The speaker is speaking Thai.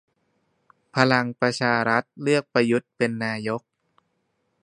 พลังประชารัฐเลือกประยุทธเป็นนายก